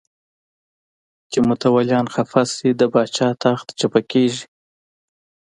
چې متولیان خفه شي د پاچا تخت چپه کېږي.